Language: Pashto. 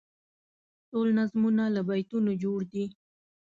ټول نظمونه له بیتونو جوړ دي.